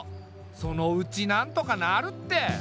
そのうちなんとかなるって。